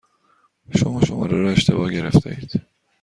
شما شماره را اشتباه گرفتهاید.